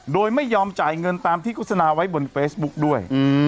โดยไม่ยอมจ่ายเงินตามที่โฆษณาไว้บนเฟซบุ๊กด้วย